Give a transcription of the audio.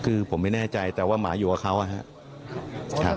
คือผมไม่แน่ใจแต่ว่าหมาอยู่กับเขานะครับ